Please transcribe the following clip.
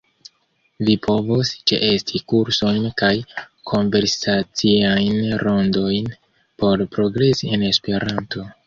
Vi povos ĉeesti kursojn kaj konversaciajn rondojn por progresi en Esperanto.